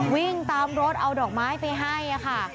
วิ่งตามรถเอาดอกไม้ไปให้ค่ะ